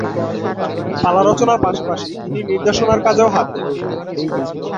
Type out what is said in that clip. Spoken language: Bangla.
পালা রচনার পাশাপাশি তিনি নির্দেশনার কাজেও হাত দেন।